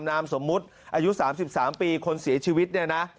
นามสมมุติอายุ๓๓ปีคนเสียชีวิตเนี่ยนะ